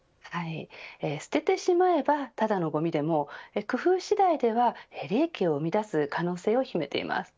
捨ててしまえばただのごみでも工夫次第では利益を生み出す可能性を秘めています。